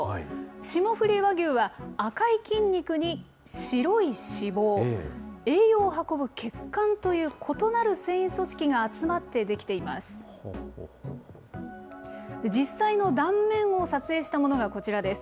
霜降り和牛は赤い筋肉に白い脂肪、栄養を運ぶ血管という異なる繊維組織が集まって出来ています。